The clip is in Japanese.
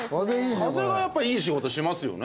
風がやっぱりいい仕事しますよね。